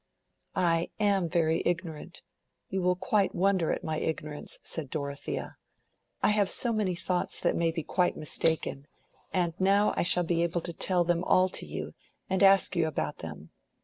"I am very ignorant—you will quite wonder at my ignorance," said Dorothea. "I have so many thoughts that may be quite mistaken; and now I shall be able to tell them all to you, and ask you about them.